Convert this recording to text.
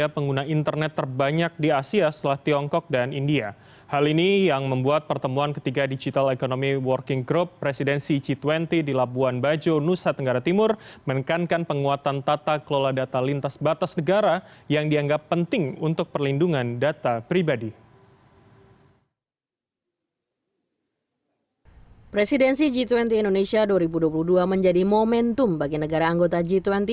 presidensi g dua puluh indonesia dua ribu dua puluh dua menjadi momentum bagi negara anggota g dua puluh